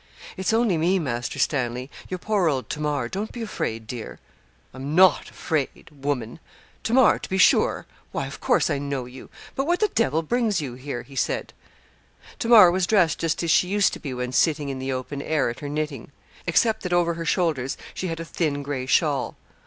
'It's only me, Master Stanley your poor old Tamar. Don't be afraid, dear.' 'I'm not afraid woman. Tamar to be sure why, of course, I know you; but what the devil brings you here?' he said. Tamar was dressed just as she used to be when sitting in the open air at her knitting, except that over her shoulders she had a thin gray shawl.